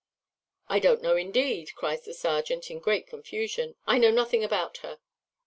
"I don't know, indeed," cries the serjeant, in great confusion; "I know nothing about her."